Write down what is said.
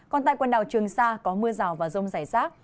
còn tại quần đảo trường sa có mưa rào và rông rải rác